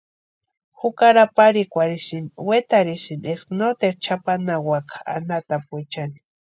Jukari aparhikwarhisinti, wetarhisïnti eska noteru chʼapanhawaka anhatapuechani.